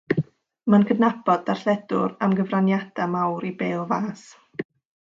Mae'n cydnabod darlledwr am "gyfraniadau mawr i bêl fas".